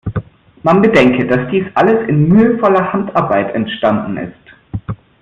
Man bedenke, dass dies alles in mühevoller Handarbeit entstanden ist.